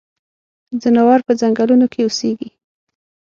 ځناور پۀ ځنګلونو کې اوسيږي.